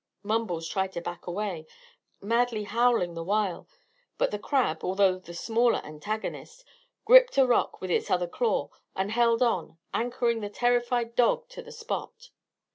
Mumbles tried to back away, madly howling the while; but the crab, although the smaller antagonist, gripped a rock with its other claw and held on, anchoring the terrified dog to the spot.